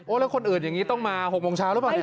แล้วคนอื่นอย่างนี้ต้องมา๖โมงเช้าหรือเปล่าเนี่ย